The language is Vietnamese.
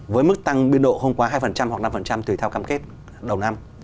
với mức tăng biến độ hôm qua hai hoặc năm tùy theo cam kết đầu năm